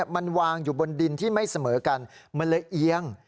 มันวางอยู่บนดินที่ไม่เสมอกันมันเลยเอียง